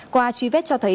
qua truy vết cho thấy